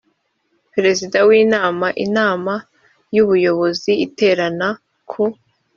perezida w inama inama y ubuyobozi iterana ku